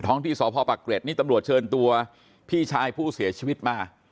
ที่สพปักเกร็ดนี่ตำรวจเชิญตัวพี่ชายผู้เสียชีวิตมา